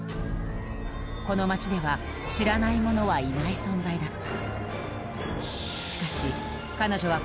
この町では知らない者はいない存在だった